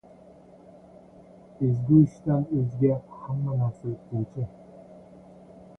• Ezgu ishdan o‘zga hamma narsa o‘tkinchi.